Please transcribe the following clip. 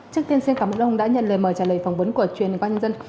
trước tiên xin cảm ơn ông đã nhận lời mời trả lời phỏng vấn của truyền hình công an nhân dân